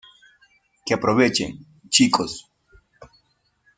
que aprovechen, chicos.